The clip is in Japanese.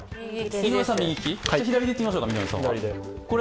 井上さんは左でいってみましょうか。